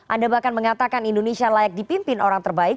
anda bahkan mengatakan indonesia layak dipimpin orang terbaik